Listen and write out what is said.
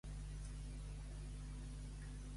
Menja que devora.